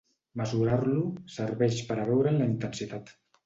Mesurar-lo serveix per a veure'n la intensitat.